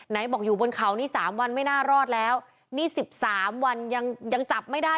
บอกอยู่บนเขานี่สามวันไม่น่ารอดแล้วนี่สิบสามวันยังยังจับไม่ได้